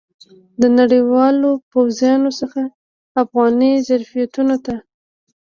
د نړیوالو پوځیانو څخه افغاني ظرفیتونو ته.